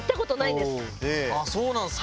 ああそうなんですか。